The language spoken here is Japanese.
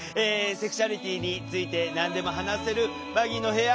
セクシュアリティーについて何でも話せるバギーの部屋。